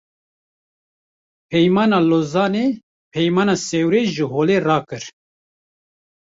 Peymana Lozanê, Peymana Sewrê ji holê rakir